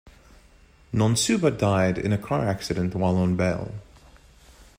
Nonxuba died in a car accident while on bail.